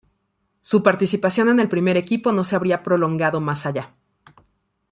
Su participación en el primer equipo no se habría prolongado más allá.